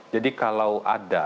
jadi kalau ada